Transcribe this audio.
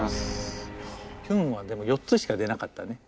キュンはでも４つしか出なかったね。